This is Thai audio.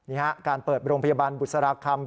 การเปิดโรงพยาบาลบุษราคำ